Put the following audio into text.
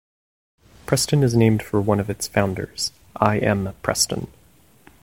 Preston is named for one of its founders, I. M. Preston.